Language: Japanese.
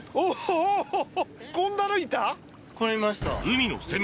これいました。